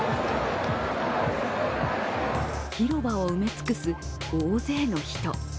広場を埋め尽くす大勢の人。